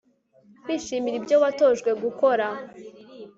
kwishimira ibyo watojwe gukora